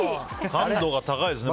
感度が高いですね。